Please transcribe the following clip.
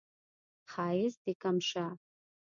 ښایست دې کم شه